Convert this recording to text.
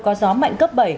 có gió mạnh cấp bảy